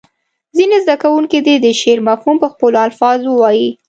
ځینې زده کوونکي دې د شعر مفهوم په خپلو الفاظو ووایي.